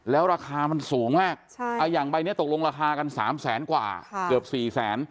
แล้วราคามันสูงมากอย่างใบนี้ตกลงราคากัน๓แสนกว่าเกือบ๔แสน